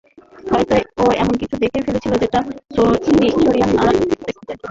হয়তো ও এমন কিছু দেখে ফেলেছিল যেটা সোরিয়ান আড়ালে রাখতে চেয়েছিল।